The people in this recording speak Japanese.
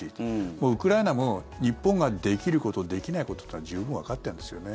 もうウクライナも日本ができることできないことは十分わかってるんですよね。